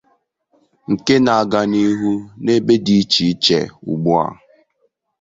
nke na-aga n'ihu n'ebe dị iche-iche ugbu a